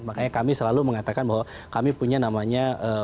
makanya kami selalu mengatakan bahwa kami punya namanya